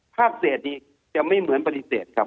ภาคเศษนี้จะไม่เหมือนปฏิเสธครับ